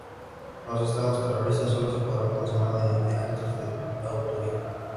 Los estragos terroristas sólo se podrán consumar mediante actos de autoría.